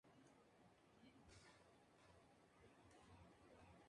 Es sede del condado de Vance.